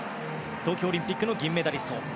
東京オリンピックの銀メダリスト。